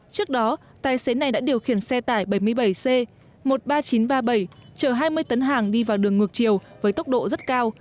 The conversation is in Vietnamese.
trước đó tài xế này đã điều khiển xe tải bảy mươi bảy c một mươi ba nghìn chín trăm ba mươi bảy chờ hai mươi tấn hàng đi vào đường ngược chiều với tốc độ rất cao